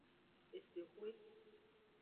Esexwe.